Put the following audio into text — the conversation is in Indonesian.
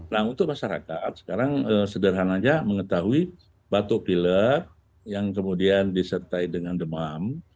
nah untuk masyarakat sekarang sederhana aja mengetahui batuk piler yang kemudian disertai dengan demam